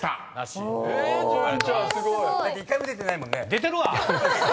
出てるわ！